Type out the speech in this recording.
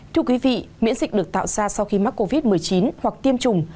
thưa quý vị miễn dịch được tạo ra sau khi mắc covid một mươi chín hoặc tiêm chủng